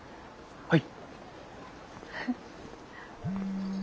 はい？